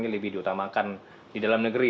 lebih diutamakan di dalam negeri